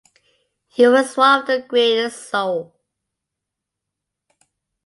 He was one of the greatest soul.